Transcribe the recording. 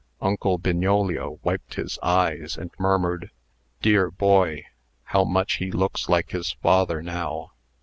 Uncle Bignolio wiped his eyes, and murmured, "Dear boy! How much he looks like his father now!"